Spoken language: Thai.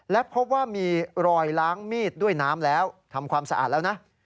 และพบว่ามีรอยล้างมีดด้วยน้ำแล้วทำความสะอาดแล้วนะ